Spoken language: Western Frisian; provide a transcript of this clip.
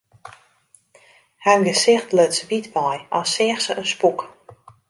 Har gesicht luts wyt wei, as seach se in spûk.